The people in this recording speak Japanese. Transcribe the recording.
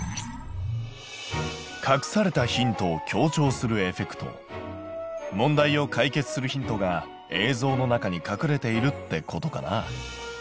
隠されたヒントを強調するエフェクト問題を解決するヒントが映像の中に隠れているってことかな。